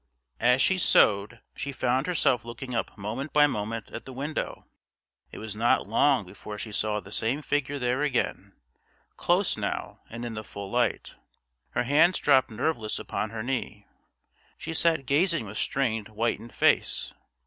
As she sewed she found herself looking up moment by moment at the window. It was not long before she saw the same figure there again, close now, and in the full light. Her hands dropped nerveless upon her knee; she sat gazing with strained whitened face.